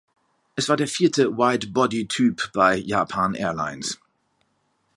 Es war der vierte Wide-Body Typ bei Japan Airlines.